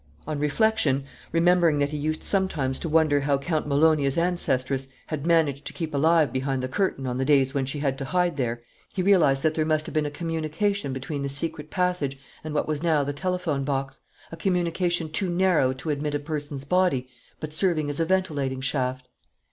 On reflection, remembering that he used sometimes to wonder how Count Malonyi's ancestress had managed to keep alive behind the curtain on the days when she had to hide there, he realized that there must have been a communication between the secret passage and what was now the telephone box, a communication too narrow to admit a person's body, but serving as a ventilating shaft.